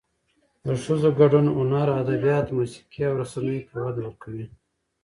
د ښځو ګډون هنر، ادبیات، موسیقي او رسنیو ته وده ورکوي.